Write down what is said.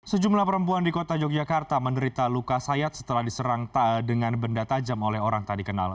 sejumlah perempuan di kota yogyakarta menderita luka sayat setelah diserang dengan benda tajam oleh orang tak dikenal